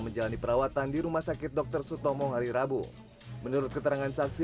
menjalani perawatan di rumah sakit dokter sutomo hari rabu menurut keterangan saksi